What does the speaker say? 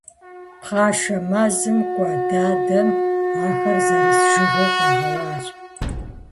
Пхъашэ мэзым кӀуа дадэм ахэр зэрыс жыгыр къигъэуащ.